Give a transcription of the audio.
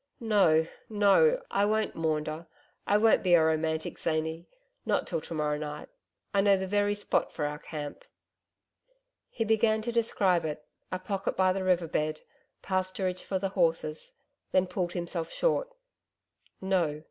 No, no, I won't maunder, I won't be a romantic zany not till to morrow night I know the very spot for our camp ....' He began to describe it a pocket by the river bed pasturage for the horses then pulled himself short. No!